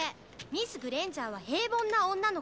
「ミスグレンジャーは平凡な女の子」